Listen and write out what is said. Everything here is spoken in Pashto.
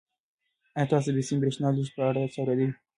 آیا تاسو د بې سیمه بریښنا د لېږد په اړه څه اورېدلي؟